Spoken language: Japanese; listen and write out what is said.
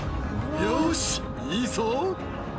・よしいいぞ。